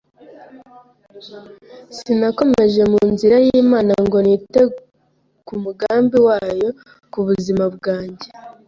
sinakomeje mu nzira y’Imana ngo niteku mugambi wayo ku buzima bwanjye